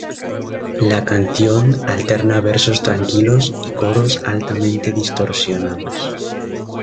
La canción alterna versos tranquilos y coros altamente distorsionados.